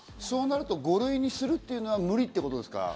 そうなると５類にするのは無理ということですか？